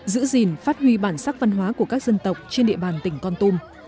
giữ gìn phát huy bản sắc văn hóa của các dân tộc trên địa bàn tỉnh con tum